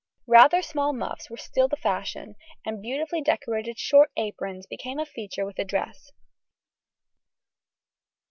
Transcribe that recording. Rather small muffs were still the fashion, and beautifully decorated short aprons became a feature with the dress.